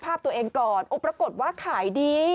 ภาพตัวเองก่อนโอ้ปรากฏว่าขายดี